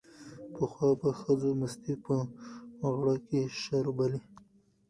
پخوا به ښځو مستې په غړګ کې شربلې